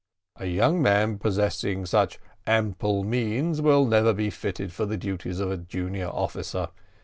A young man possessing such ample means will never be fitted for the duties of a junior officer.